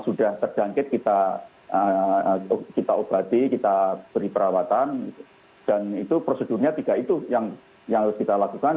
sudah terjangkit kita obati kita beri perawatan dan itu prosedurnya tiga itu yang harus kita lakukan